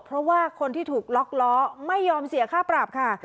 เพราะว่าคนที่ถูกล็อกล้อไม่ยอมเสียค่าปรับค่ะ